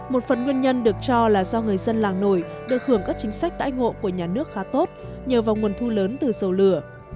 một phần nguyên nhân được cho là do người dân làng nổi được hưởng các chính sách đãi ngộ của nhà nước khá tốt nhờ vào nguồn thu lớn từ dầu lửa